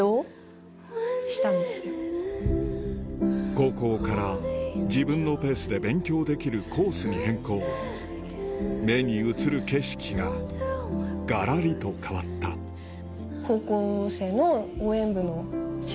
高校から自分のペースで勉強できるコースに変更目に映る景色がガラリと変わったうん。